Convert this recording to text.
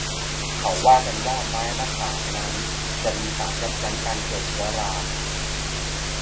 เขาว่ากันว่าไม้มะขามนั้นจะมีสารยับยั้งการเกิดเชื้อรา